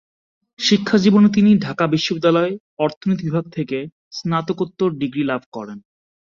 শিক্ষাজীবনে তিনি ঢাকা বিশ্ববিদ্যালয়ের অর্থনীতি বিভাগ থেকে স্নাতকোত্তর ডিগ্রি লাভ করেন।